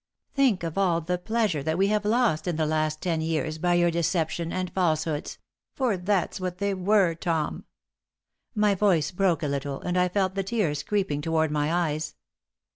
Think of all the pleasure that we have lost in the last ten years by your deception and falsehoods for that's what they were, Tom!" My voice broke a little, and I felt the tears creeping toward my eyes.